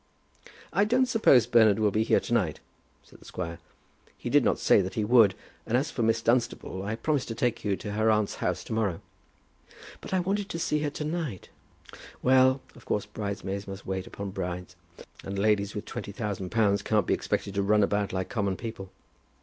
"I don't suppose Bernard will be here to night," said the squire. "He did not say that he would, and as for Miss Dunstable, I promised to take you to her aunt's house to morrow." "But I wanted to see her to night. Well; of course bridesmaids must wait upon brides. And ladies with twenty thousand pounds can't be expected to run about like common people.